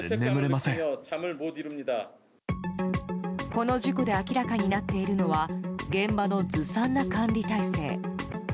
この事故で明らかになっているのは現場のずさんな管理態勢。